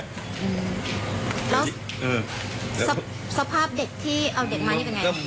แล้วสภาพเด็กที่เอาเด็กมานี่เป็นไง